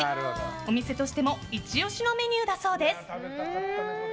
お店としてもイチ押しのメニューだそうです。